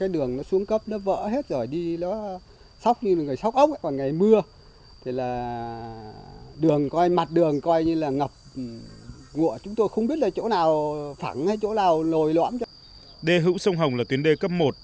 đê hữu sông hồng là tuyến đê cấp một